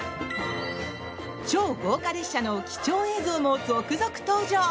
超豪華列車の貴重映像も続々登場！